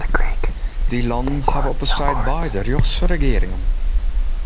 Dy lannen hawwe op it stuit beide rjochtse regearingen.